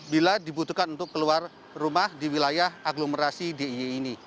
bila dibutuhkan untuk keluar rumah di wilayah aglomerasi d i e ini